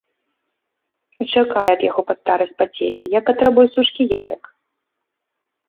Чакай ад яго пад старасць пацехі, як ад рабой сучкі яек!